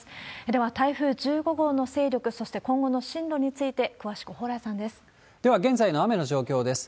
では、台風１５号の勢力、そして今後の進路について、では、現在の雨の状況です。